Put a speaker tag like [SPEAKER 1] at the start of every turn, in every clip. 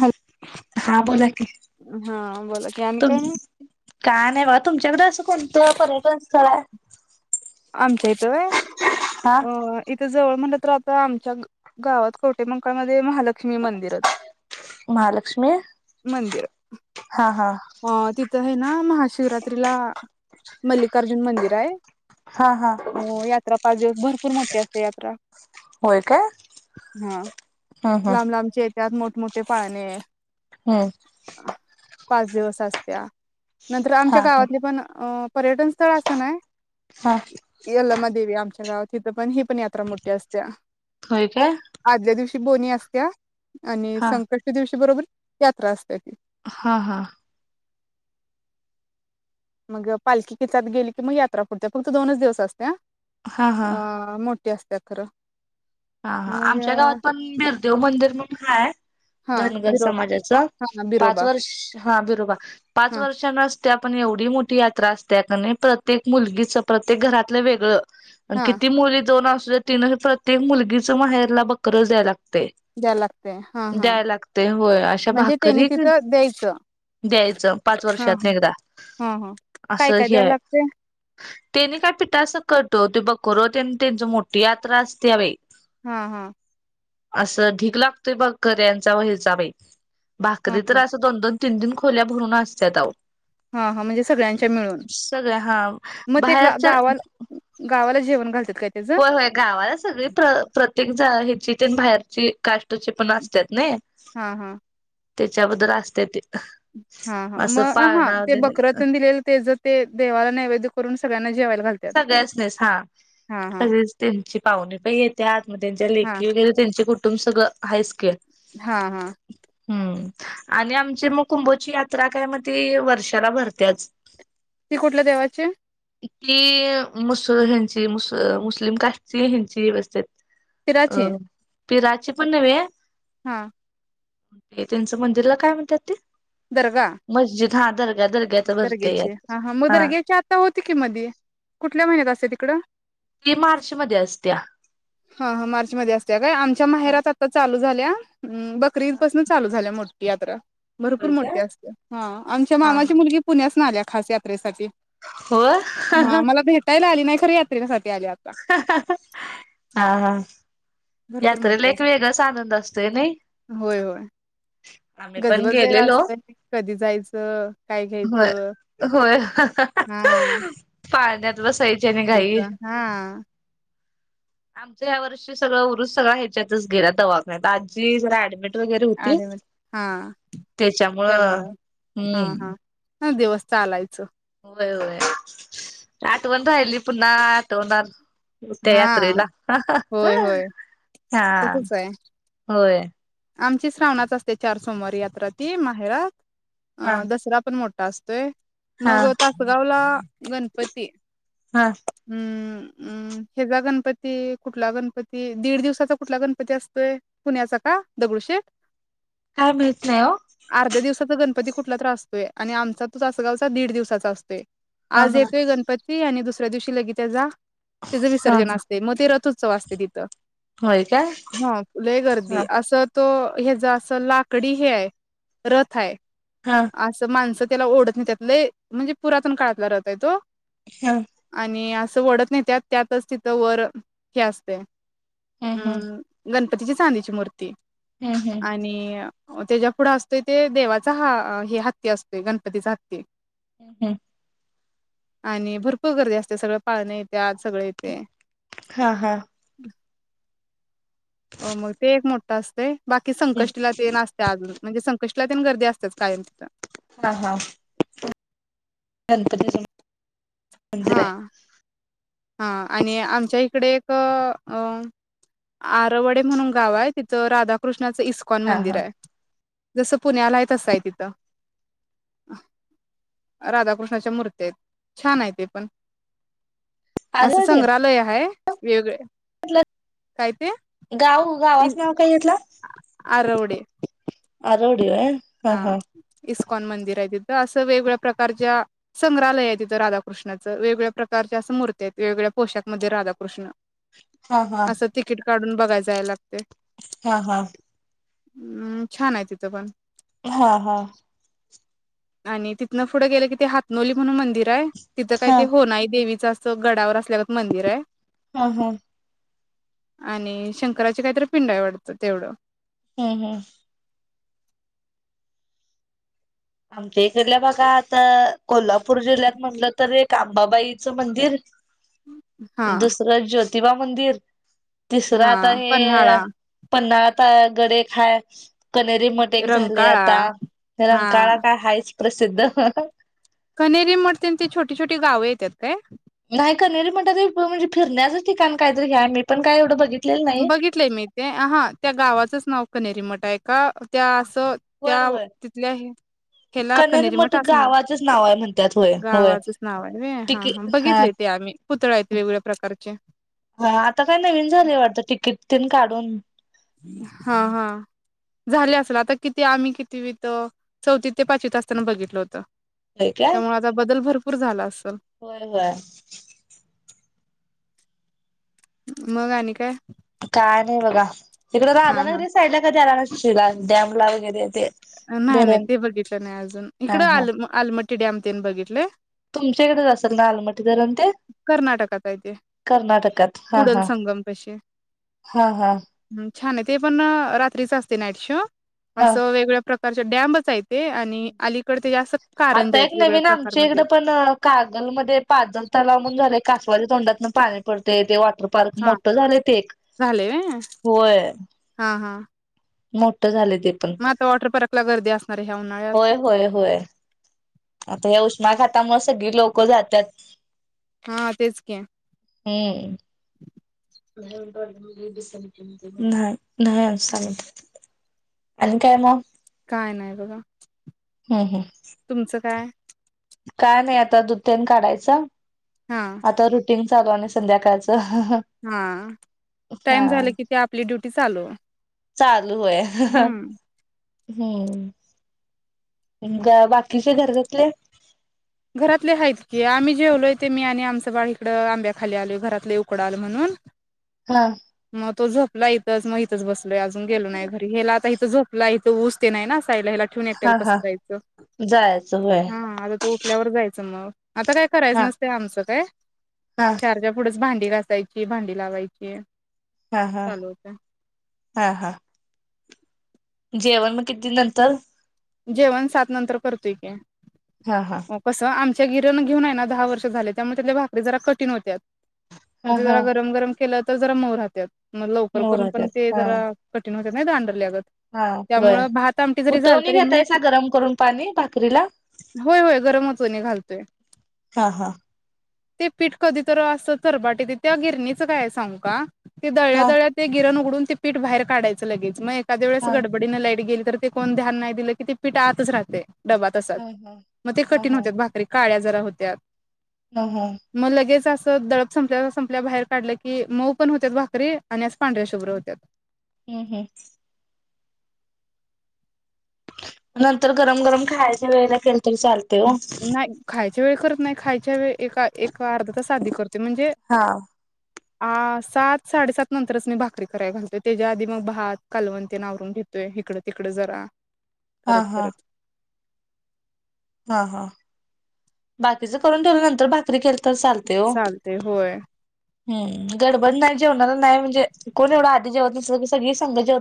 [SPEAKER 1] Hello.
[SPEAKER 2] हा बोला की
[SPEAKER 1] हा बोला की आणि
[SPEAKER 2] तुम
[SPEAKER 1] काय मग?
[SPEAKER 2] काय नाय बघा तुमच्याकड असं कोणतं पर्यटन स्थळ हाय?
[SPEAKER 1] आमच्या इथं व्हय
[SPEAKER 2] हा
[SPEAKER 1] अ इथ जवळ म्हणल तर आता आमच्या गावात कवठेमहांकाळ मध्ये महालक्ष् लक्ष्मी मंदिरच
[SPEAKER 2] महालक्ष्मी
[SPEAKER 1] मंदिर
[SPEAKER 2] हा हा
[SPEAKER 1] अ तिथं हे ना महाशिवरात्रीला मल्लिकार्जुन मंदिर आहे.
[SPEAKER 2] हा हा
[SPEAKER 1] हो यात्रा पाच दिवस भर खूप मोठी असते यात्रा
[SPEAKER 2] होय काय हा हा
[SPEAKER 1] त्यात मोठमोठे पाळणे.
[SPEAKER 2] हूं
[SPEAKER 1] पाच दिवस असत्या नंतर आमच्या
[SPEAKER 2] हा
[SPEAKER 1] गावातले पण अ पर्यटन स्थळ अस नाय
[SPEAKER 2] हा
[SPEAKER 1] यल्लमा देवी आमच्या गाव तिथं पण ही पण यात्रा मोठी असत्या.
[SPEAKER 2] होय काय
[SPEAKER 1] दोन्ही असत्या आणि
[SPEAKER 2] हा
[SPEAKER 1] संकष्टी दिवशी बरोबर यात्रा असत्या ती
[SPEAKER 2] हा हा
[SPEAKER 1] मग पालखी किचात गेली की मग यात्रा फुडते फक्त दोनच दिवस असत्या हा हा मोठ ठी असत्या खरं
[SPEAKER 2] हा हा
[SPEAKER 1] मग
[SPEAKER 2] आमच्या गावात पण बिरदेव मंदिर म्हणून हाय
[SPEAKER 1] हा
[SPEAKER 2] धनगर
[SPEAKER 1] बिरो
[SPEAKER 2] समाजाच
[SPEAKER 1] हा
[SPEAKER 2] पाच
[SPEAKER 1] बिरोबा
[SPEAKER 2] वर्ष हा बिरोबा पाच
[SPEAKER 1] हा
[SPEAKER 2] वर्षांनं त्या पण एवढी मोठी यात्रा असत्या कनी प्रत्येक मुलगीच प्रत्येक घरातलं वेगळं आणि
[SPEAKER 1] हा
[SPEAKER 2] किती मुली दोन असु तिनं प्रत्येक मुल चा माहेरला बकरच द्यायला लाग तय
[SPEAKER 1] द्यायला लागते हा हा
[SPEAKER 2] द्याय लागतय होय, अशा
[SPEAKER 1] म्हणजे त्यांनी
[SPEAKER 2] भाकरी
[SPEAKER 1] तिथं द्यायचं
[SPEAKER 2] द्यायचं पाच
[SPEAKER 1] हा
[SPEAKER 2] वर्षातन एकदा
[SPEAKER 1] हा हा काय
[SPEAKER 2] असं
[SPEAKER 1] काय द्यायला
[SPEAKER 2] ह
[SPEAKER 1] लागते
[SPEAKER 2] तेनी काय पिटा [unintelligible] ते बकर तेन ते त्यांची मोठी यात्रा असत्या बाई
[SPEAKER 1] हा हा
[SPEAKER 2] असं ढीग लागतोय बकऱ्यांचा व हेचा बाई
[SPEAKER 1] हा
[SPEAKER 2] भाकरी तर
[SPEAKER 1] हा
[SPEAKER 2] असं दोन दोन तिन तिन खोल्या भरून असत्यात आहो.
[SPEAKER 1] हा हा म्हणजे सगळ्यांच्या मिळून
[SPEAKER 2] सगळ्या हा
[SPEAKER 1] मग ते
[SPEAKER 2] बाहेरच्या
[SPEAKER 1] गावा गावाला जेवण घालतात. काय त्याचं
[SPEAKER 2] होय होय गावाला सगळी प्र प्रत्येक ह बाहेरचे काष्टचे पण असतात नाही.
[SPEAKER 1] हा हा.
[SPEAKER 2] त्याच्याबद्दल असतय.
[SPEAKER 1] हा हा मग हा ते बक्र दिलेलं ते ज ते देवाला नैवेद्य करून सगळ्याना.
[SPEAKER 2] सगळच असतय हा सगळेच त्यांची पाहुणे पई येत्यात. मग त्यांच्या
[SPEAKER 1] हा
[SPEAKER 2] लेकी वगैरे त्यांचे कुठ? तुम सगळं आहे स्केल.
[SPEAKER 1] हा हा.
[SPEAKER 2] हम्म आणि आमची म कुंभोची यात्रा काय मग ती वर्षाला भरते्याच.
[SPEAKER 1] ती कुठल्या देवाची?
[SPEAKER 2] की मुस हंची मुस मुस्लिम कास्टची हेंची व्यवस्थित
[SPEAKER 1] पिराची
[SPEAKER 2] पिराची पण नव्हे.
[SPEAKER 1] हा.
[SPEAKER 2] ते त्यांचं मंदिरला काय म्हणतात ते
[SPEAKER 1] दरगा
[SPEAKER 2] मस्जिद हा दर
[SPEAKER 1] दर्ग्याचे हा हा म दर्गेची आता होती की मधी कुठल्या महिन्यात असं तिकडं.
[SPEAKER 2] ते मार्च मध्ये असत्या.
[SPEAKER 1] हा हा मार्चमध्ये असत्या काय आमच्या माहेरात आता चालू. झाल्या. बकरी ईदपसूनच चालू झाल्या मोठ. यात्रा. भरपूर
[SPEAKER 2] होय काय होय
[SPEAKER 1] मोठीे असते हा आमच्या
[SPEAKER 2] हा
[SPEAKER 1] मामाची मुलगी पुण्यासन आल्या. खास यात्रेसाठीची
[SPEAKER 2] हो
[SPEAKER 1] हा मला भेटायला आली. नाही खर यात्रला ख आता.
[SPEAKER 2] हा हा.
[SPEAKER 1] भरपूर
[SPEAKER 2] यात्रेला
[SPEAKER 1] मोठे
[SPEAKER 2] एक
[SPEAKER 1] असत
[SPEAKER 2] वेगळाच आनंद असतोय नाही
[SPEAKER 1] होय होय
[SPEAKER 2] आम्ही पण
[SPEAKER 1] गजबजलेयला
[SPEAKER 2] गेलेलो
[SPEAKER 1] असतय कधी जायचं काय
[SPEAKER 2] होय
[SPEAKER 1] घ्यायचं हा.
[SPEAKER 2] पाडण्यात बसायचे ने घाई
[SPEAKER 1] जायचं हा
[SPEAKER 2] आमचं ह्या वर्षी सगळं उरुस सगळळा ह्याच्यातच गेला सगळा दवाखान्यात आजी जरा ऍडमिट वगैरे होती
[SPEAKER 1] आडे हा
[SPEAKER 2] त्याच्यामुळं हम्म
[SPEAKER 1] ह दिवस चालायचं
[SPEAKER 2] होय होय आठवण राहिली पुन्हा आठवणार मोठ्या
[SPEAKER 1] हा
[SPEAKER 2] यात्रेला.
[SPEAKER 1] होय होय
[SPEAKER 2] [unintelligible] हां
[SPEAKER 1] तसच आहे
[SPEAKER 2] होय.
[SPEAKER 1] आमची श्रावणात असते चार सोमवार यात्रा ती माहेरात
[SPEAKER 2] हा
[SPEAKER 1] अं दसरा पण मोठ टा असतोय.
[SPEAKER 2] हा
[SPEAKER 1] मग तासगाव ला गणपती
[SPEAKER 2] हा
[SPEAKER 1] हं हं हेजा गणपती ते कुठला गणपती दीड दिवसाचा कुठला गणपती असतोय पुण्याचा का दगडूशेठ.
[SPEAKER 2] काय माहीत नाही हो.
[SPEAKER 1] पती कुठला त्रास असतोय आणि आमचा चासगावचा दीड दिवसाचा असतोय.
[SPEAKER 2] हा
[SPEAKER 1] आज
[SPEAKER 2] हा
[SPEAKER 1] येतोय गणपती आणि दुस त्या दिवशी लगेच येजा. त्याचं
[SPEAKER 2] हा
[SPEAKER 1] विसर्जन
[SPEAKER 2] हा
[SPEAKER 1] असतेय मग ते रथ उत्सव असते तिथ.
[SPEAKER 2] होय काय
[SPEAKER 1] हां लई
[SPEAKER 2] हा
[SPEAKER 1] गर्दी असतो हेचं असं लाकडी हे आहे रथ हाय.
[SPEAKER 2] हा
[SPEAKER 1] असं माणस त्याला ओढत त्यातलं म्हणजे पुरातन काळातला रथ आहे तो
[SPEAKER 2] हा
[SPEAKER 1] आणि अस वोढत नाही त्यात त्यातच तिथं वर हे असते
[SPEAKER 2] हम्म
[SPEAKER 1] हा
[SPEAKER 2] हम्म
[SPEAKER 1] गण पतीची चांदीची मूर्ती ते
[SPEAKER 2] हम्म हम्म
[SPEAKER 1] आणि त्याच्या पुुढं असतोय ते देवाचा हा हे हत्ती असतोय गणपतीचा हत्ती
[SPEAKER 2] हम्म.
[SPEAKER 1] आणि भरपूर गर्दी असते सगळें पाळणे येते आत सगळे येते.
[SPEAKER 2] हां हां.
[SPEAKER 1] हो मग ते एक मोठ्ठ असतय. बाकी संकष्टीला ते नासते अजून म्हणजे संकष्.. गर्दी अस [unintelligible] कायम तिथं.
[SPEAKER 2] हा गणपती स [unintelligible]
[SPEAKER 1] हा. हा आणि आमच्या इकडे एक अ आरवडे म्हणून गाव आहे तिथं राधाकृष्ण कृष्णाचं इस्कॉन
[SPEAKER 2] हा हा
[SPEAKER 1] मंदिर आहे. जसं पुण्यालाय त असंय तिथं राधाकृष्णाच्या मूर्त आहेत छान आहे ते पण असं
[SPEAKER 2] आरोडी
[SPEAKER 1] संग्रहालय आहे. वेगळे. काय ते
[SPEAKER 2] गाव
[SPEAKER 1] इ
[SPEAKER 2] गावाच नाव काय घेतलं.
[SPEAKER 1] आरवडे
[SPEAKER 2] आर
[SPEAKER 1] हा इ ईश कन मंदिर आहे तिथं असं वेगवेगळ्या प्रकारच्या संग्रहालय आहे तथं राधाकृष्णाचं वेगवेगळ्या प्रकारच्या असं मूर्ती आहेत. वेगवेगळ्या पोशाकमध्येध्ये राधाकृष्ण
[SPEAKER 2] हा हा.
[SPEAKER 1] असं तिकीट काढून बघाय लागते.
[SPEAKER 2] हा हा.
[SPEAKER 1] हम्म छान आहे तिथं पण
[SPEAKER 2] हा हा.
[SPEAKER 1] आणि तिथनं पुढं गेलं कि ते हातनोली म्हणून मंदिर आहे. तिथं काय ते हो नाही देवीचं अस. गडावर असल्यावर मंदिर आहे.
[SPEAKER 2] हा हा.
[SPEAKER 1] आणि शंकराचे काहीतरी पिंड आहे वाटतं तेवढं.
[SPEAKER 2] हम्म हम्म. आमच्या इकडल्या बघा आता कोल्हापूर जिल्ह्यात म्हटलं तर एक आंबाबाईचं मंदिर
[SPEAKER 1] हा
[SPEAKER 2] दुसरं ज शिवा मंदिर तिसर
[SPEAKER 1] हा
[SPEAKER 2] आता हे
[SPEAKER 1] पन्हाळा
[SPEAKER 2] पन्हाळा आता गर खाय कनेरी मट एक झाले
[SPEAKER 1] रंकाळा
[SPEAKER 2] आता रंकाळा
[SPEAKER 1] हा
[SPEAKER 2] काय आहेत की प्रसिद्ध
[SPEAKER 1] खनेरी मते ती छोटी छोटी गाव येतात काय?
[SPEAKER 2] नाही कररी म्हणात म्हणजे फिरण्याचं ठिकाण काहीतरी घ्या मी पण काय एवढं बघित
[SPEAKER 1] बघितलंय मी ते हा त्या गावाचंच नाव कनेरी मठ. आहे का त्या असं
[SPEAKER 2] होय
[SPEAKER 1] त्या
[SPEAKER 2] होय
[SPEAKER 1] तिथल्या हेला
[SPEAKER 2] कनेरी
[SPEAKER 1] खनेरी मठ अस ना
[SPEAKER 2] गावाचेच नाव आहे म्हणतात होय होय
[SPEAKER 1] गावाचंच नाव आहे हा हा बघितले ते आम्ही पुतळा य वेगवेग्या प्रकारचे.
[SPEAKER 2] हा आता काय नवीन झाले वाटतं तिकीट काढून..
[SPEAKER 1] हा हा झाले असल आता किती आम्ही कितवीत अ चौथी ते पाचवीत असताना बघितलं होत.
[SPEAKER 2] होय काय
[SPEAKER 1] त्यामुळे आता बदल भर भरपूर झाला.
[SPEAKER 2] होय होय.
[SPEAKER 1] मग आनी काय?
[SPEAKER 2] काय नाही बघा. इकडं
[SPEAKER 1] हा हा
[SPEAKER 2] राधानगरी साईडला कधी आला [unintelligible] शिला डॅमला वगैरे ते.
[SPEAKER 1] न्हाय नाय.
[SPEAKER 2] धरण
[SPEAKER 1] ते बघितलं नाय अजून.
[SPEAKER 2] हा
[SPEAKER 1] इकडं आलं म आलम ते डयाम ते न बघितलं.
[SPEAKER 2] तुमच्याकडेच असेल ना आलमाट. धरण ते
[SPEAKER 1] कर्नाटकात आहे ते
[SPEAKER 2] कर्नाटकात हा
[SPEAKER 1] कुडल
[SPEAKER 2] हा.
[SPEAKER 1] संगम पशी
[SPEAKER 2] हा. हा. हा.
[SPEAKER 1] हं, छान आहे ते पण रात्रीच असते नाईट शो.
[SPEAKER 2] हा
[SPEAKER 1] असं वेगळं.. प्रकारचे डॅम्बचं हाईत.
[SPEAKER 2] आता एक
[SPEAKER 1] आहेत वेगळ्या
[SPEAKER 2] नवीन आमच्या इकड
[SPEAKER 1] प्रकारमध्ये
[SPEAKER 2] पण कागल मध्ये पाजलं तलाव. म्हनून झालंय कसवाच्या तोंडातन पानी पडते ते.. वॉटर पार्क
[SPEAKER 1] हा
[SPEAKER 2] मोठ झालं ते एक
[SPEAKER 1] झाले व्हय
[SPEAKER 2] होय.
[SPEAKER 1] हा हा
[SPEAKER 2] मोठं झाले.. पण
[SPEAKER 1] मग आता वॉटर पार्कला गर्दी असणार आहे ह्या उन्हाळ्यात
[SPEAKER 2] होय होय होय आता हे उष्माघात. त्यामुळे सगळी लोक जातात.
[SPEAKER 1] हा तेच कीं.
[SPEAKER 2] हम्म. न्हाय. न्हाय. अजून संगत. आनी काय मग?
[SPEAKER 1] काय नाही बघा.
[SPEAKER 2] हम् हम्.
[SPEAKER 1] तुमचं काय
[SPEAKER 2] काय नाही आता दुत्यान काढायच.
[SPEAKER 1] हा
[SPEAKER 2] आता दुद मीटिंग चालू आणि संध्याकाळचं..
[SPEAKER 1] हा
[SPEAKER 2] हा
[SPEAKER 1] टाइम झाला की ते आपली ड्युटी चालू..
[SPEAKER 2] चात चालू आहे.
[SPEAKER 1] हम्म
[SPEAKER 2] होय. बाकीचे घर घातले.
[SPEAKER 1] घरातले आहेत की आम्ही जेवलोय ते मी आणि आमचं बाळी इकड आंब्या खाली आलो घरातले उकडा आल म्हणून
[SPEAKER 2] हा
[SPEAKER 1] [inaudible] इथच मगच बस. अजून गेलो नाही घरी गेला. झोपला इथ ऊसते नाही ना. ठेवलाय.
[SPEAKER 2] हा हा जायचं होय
[SPEAKER 1] आपल्यावर जायचं मग आता काय करायचं
[SPEAKER 2] हा
[SPEAKER 1] नसत आमचं काय
[SPEAKER 2] हा
[SPEAKER 1] चारच्या पुढ भांडी घासायची भांडी लावायची.
[SPEAKER 2] हा हा
[SPEAKER 1] चालू होतं
[SPEAKER 2] हा हा. जेवण मग किती नंतर
[SPEAKER 1] जेवण सात नंतर करतोय काी
[SPEAKER 2] हा हा
[SPEAKER 1] हो कसं आम [inaudible] गिरण घेऊन आहे ना दहा वर्ष झाल्या त्यामुळे तिथल्या भाकऱ्या जरा कठीण होत्या.
[SPEAKER 2] हा
[SPEAKER 1] मग ते
[SPEAKER 2] हा
[SPEAKER 1] जरा गरम गरम केलं. तर जरा मऊ राहत्यात. मग लवकर करून पण
[SPEAKER 2] मोहराच्यात
[SPEAKER 1] ते
[SPEAKER 2] हा
[SPEAKER 1] जरा हो
[SPEAKER 2] हा
[SPEAKER 1] [inaudible]
[SPEAKER 2] होय
[SPEAKER 1] त्यामुळे भात आमटी जरी झाल.
[SPEAKER 2] उतवणी घेतायसा गरम करून पाणी भाकरीला
[SPEAKER 1] होय होय गरम वचोनी घालतोय.
[SPEAKER 2] हा हा.
[SPEAKER 1] ते पीठ कधीतर असं तररबाटी ते त्या गिरणीचं काय सांगू का? ते दळ्या
[SPEAKER 2] हा
[SPEAKER 1] दळ्यात ते गिरण उघडून. ते पीठ बाहेर काढाचं लगेच मग त्या वळेस
[SPEAKER 2] हा
[SPEAKER 1] गडबडीन लाईट गेली. तर ते कोण ध्यान. दिलं कि ते पिठ आतच राहतय. डबात असात
[SPEAKER 2] हा हा
[SPEAKER 1] मग ते
[SPEAKER 2] हा हा
[SPEAKER 1] कठीण होत्यात भाकरी काळ्या जरा होत्या.
[SPEAKER 2] हा हा
[SPEAKER 1] मग लगेच अस. दलप संपल्या संपल्या बाहेर काढलं की मऊ पण होत्यात भाकरी आणि असं पांढऱ्या शुभ्र होत्यात.
[SPEAKER 2] हम्म हम्म. नंतर गरम गरम खायचा वेळेला केेल
[SPEAKER 1] नाही खायचा वेळी नाही खायच्या वेळी एका एका अर्धा तास आधी करतोय म्हणजे
[SPEAKER 2] हा
[SPEAKER 1] ह सात साडेसात नंतरच मी भाकरी करायला घालतोय त्याच्या आधी मग भात कालवन तेन आवरून घेतोय इिकडं तिकडं जरा
[SPEAKER 2] हा
[SPEAKER 1] करत
[SPEAKER 2] हा
[SPEAKER 1] करत.
[SPEAKER 2] हा हा बाकीच करून ठेवलं नंतर भाकरी के
[SPEAKER 1] चालतय होय.
[SPEAKER 2] हम्म गडबड नाही जेवणाला नाही म्हणजे कोण एवढं आधी जेवत नस सगळी संग जेव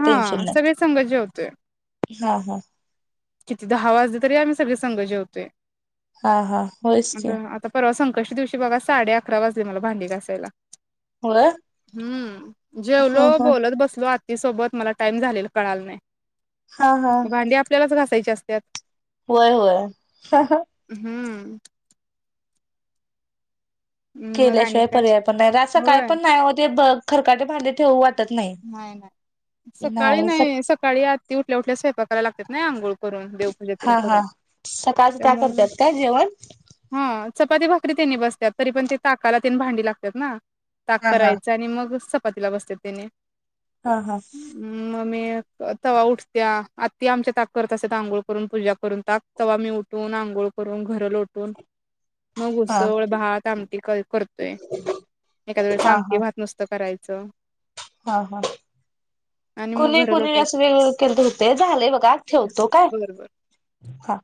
[SPEAKER 1] हा सगळे संघ जेवतोय.
[SPEAKER 2] हा हा.
[SPEAKER 1] किती दहा वाजले तरी आम्ही सगळे संघ जेवतोय.
[SPEAKER 2] हा हा होयच की.
[SPEAKER 1] कशी दिवशी बघा साडे अकरा वाजले मला भांडी घासायला
[SPEAKER 2] होय
[SPEAKER 1] हम्म
[SPEAKER 2] हा
[SPEAKER 1] जेवलो
[SPEAKER 2] हा
[SPEAKER 1] बोलत बसलो आ ती सोबत मला टाइम झालेला कळाला नाही.
[SPEAKER 2] हा हा
[SPEAKER 1] भांडी आपल्यालाच घासा तेच असत्यात.
[SPEAKER 2] होय होय.
[SPEAKER 1] [unintelligible] मग आणि
[SPEAKER 2] केल्याशिवाय
[SPEAKER 1] काय
[SPEAKER 2] पर्याय पण नाही असं काय
[SPEAKER 1] होय
[SPEAKER 2] पण नाही हो ते बघ खरकाट भांडी ठेऊ वाट
[SPEAKER 1] नाही नाही सकाळी नाही सकाळी आदी उठल्या उठल्या स्वयंपा करायला लाग तात नाही आंघोळ करून. देवपूजा तेन
[SPEAKER 2] हा हा
[SPEAKER 1] करून
[SPEAKER 2] सकाळच का
[SPEAKER 1] त्यामुळं
[SPEAKER 2] करतात का जेवण
[SPEAKER 1] हा चपाती भाकरी त्यांनी बसतात तरी पण ते ताकाला तेन भांडी लागत्यात ना ताक
[SPEAKER 2] हा हा
[SPEAKER 1] करायचं आणि मग पाततीला बसतेत तेनी
[SPEAKER 2] हा हा.
[SPEAKER 1] मी तवा उठत्या आत्ती आमच्या ताक करत असत आंघोळ करून पूजा करून ताक तवा मी उठून आंघोळ करून घरं लोटून मग
[SPEAKER 2] हा
[SPEAKER 1] ऊसळ भात आमटी करतोय एखाद्या वेळेस
[SPEAKER 2] हा
[SPEAKER 1] आमटी
[SPEAKER 2] हा
[SPEAKER 1] भात नुसत कराय च.
[SPEAKER 2] हा हा कुणी
[SPEAKER 1] घरा
[SPEAKER 2] कुणी व
[SPEAKER 1] लोटायची.
[SPEAKER 2] अस वेळ केलं होते झाले बघा ठेवतो काय
[SPEAKER 1] बरं बर.
[SPEAKER 2] हा.